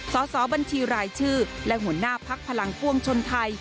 สอบบัญชีรายชื่อและหัวหน้าพักพลังปวงชนไทย